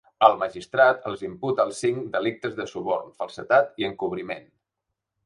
El magistrat els imputa als cinc delictes de suborn, falsedat i encobriment.